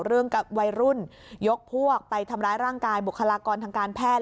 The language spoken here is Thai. กับวัยรุ่นยกพวกไปทำร้ายร่างกายบุคลากรทางการแพทย์